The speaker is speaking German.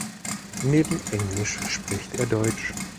Neben englisch spricht er deutsch.